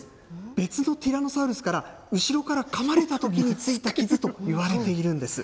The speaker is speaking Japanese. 別のティラノサウルスから、後ろからかまれたときについた傷といわれているんです。